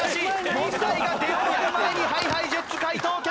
問題が出終わる前にＨｉＨｉＪｅｔｓ解答権。